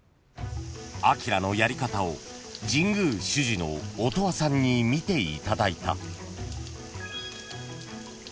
［アキラのやり方を神宮主事の音羽さんに見ていただいた］